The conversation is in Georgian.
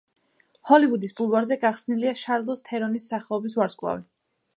ჰოლივუდის ბულვარზე გახსნილია შარლიზ თერონის სახელობის ვარსკვლავი.